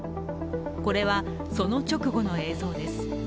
これはその直後の映像です。